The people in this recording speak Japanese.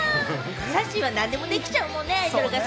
さっしーは何でもできちゃうもんね。